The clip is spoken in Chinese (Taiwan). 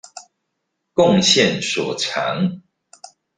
貢獻所長